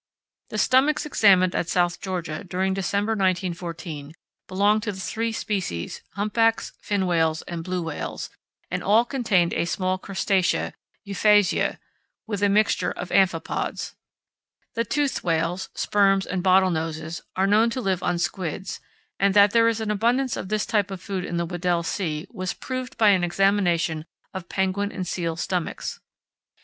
The stomachs examined at South Georgia during December 1914, belonged to the three species, humpbacks, fin whales, and blue whales, and all contained small crustacea—Euphausiæ, with a mixture of amphipods. The toothed whales—sperms and bottlenoses—are known to live on squids, and that there is an abundance of this type of food in the Weddell Sea was proved by an examination of penguin and seal stomachs.